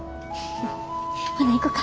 ほな行こか。